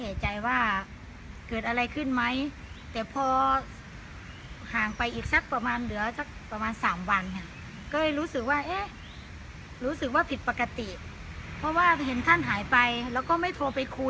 ว่าเกิดอะไรขึ้นไหมแต่พอห่างไปอีกสักประมาณเหลือสักประมาณสามวันค่ะก็เลยรู้สึกว่าเอ๊ะรู้สึกว่าผิดปกติเพราะว่าเห็นท่านหายไปแล้วก็ไม่โทรไปคุย